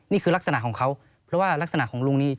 นี่คือลักษณะของเขาเพราะว่ารักษณะของลุงนี้